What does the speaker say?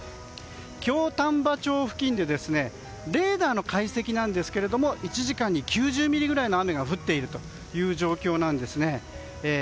京丹波町付近でレーダーの解析ですが１時間に９０ミリぐらいの雨が降っているという状況です。